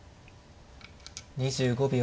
２５秒。